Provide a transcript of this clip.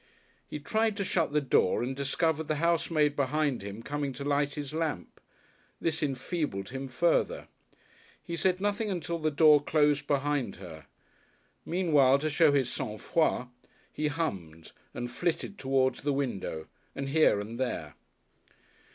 He tried to shut the door and discovered the housemaid behind him coming to light his lamp. This enfeebled him further. He said nothing until the door closed behind her. Meanwhile to show his sang froid he hummed and flitted towards the window, and here and there.